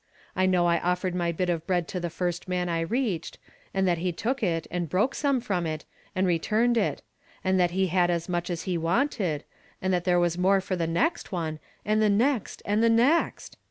I know I offered my bit of bread to the first man I reached ; and that he took it, and broke some from it, and returned it ; and that he had as much as he wanted, and that there was more for the next one, and the next, and the next!